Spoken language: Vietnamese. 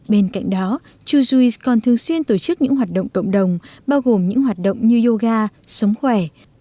bên cạnh đó chujuice còn thường xuyên tổ chức những hoạt động cộng đồng bao gồm những hoạt động như yoga sống khỏe